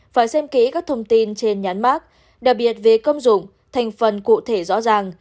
phải xem kỹ các thông tin trên nhắn đặc biệt về công dụng thành phần cụ thể rõ ràng